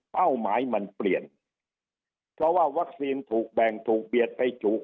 เป้าหมายมันเปลี่ยนเพราะว่าวัคซีนถูกแบ่งถูกเบียดไปจุ